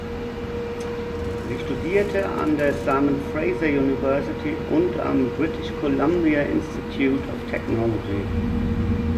Sie studierte an der Simon Fraser University und am British Columbia Institute of Technology.